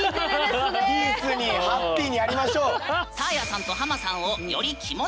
ピースにハッピーにやりましょう！